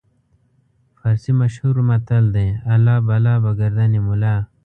فارسي مشهور متل دی: الله بلا به ګردن ملا.